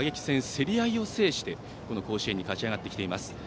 競り合いを制して甲子園に勝ち上がっています。